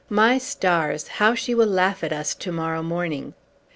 My stars! how she will laugh at us, to morrow morning!"